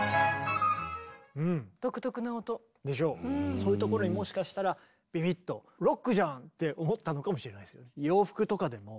そういうところにもしかしたらビビッと「ロックじゃん！」って思ったのかもしれないですね。